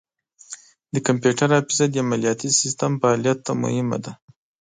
د کمپیوټر حافظه د عملیاتي سیسټم فعالیت ته مهمه ده.